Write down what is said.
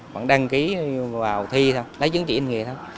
bạn đăng ký vào thi thôi lấy chứng chỉ hành nghề thôi